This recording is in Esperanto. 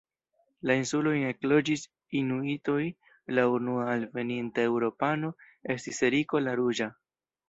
La insulojn ekloĝis inuitoj, la unua alveninta eŭropano estis Eriko la ruĝa.